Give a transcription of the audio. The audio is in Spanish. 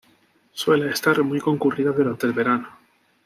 Suele estar muy concurrida durante el verano.